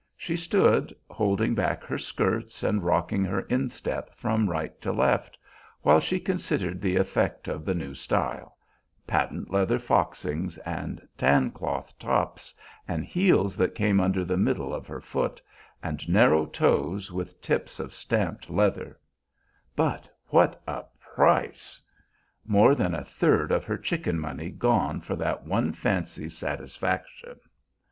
She stood, holding back her skirts and rocking her instep from right to left, while she considered the effect of the new style; patent leather foxings and tan cloth tops, and heels that came under the middle of her foot, and narrow toes with tips of stamped leather; but what a price! More than a third of her chicken money gone for that one fancy's satisfaction.